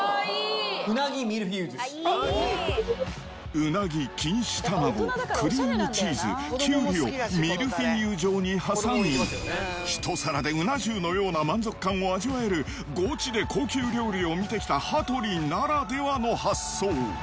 うなぎ、錦糸卵、クリームチーズ、キュウリをミルフィーユ状に挟み、１皿でうな重のような満足感を味わえるゴチで高級料理を見てきた羽鳥ならではの発想。